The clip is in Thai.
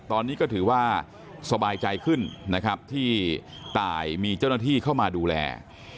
ตอนนี้ก็ถือว่าสบายใจขึ้นนะครับที่ตายมีเจ้าหน้าที่เข้ามาดูแล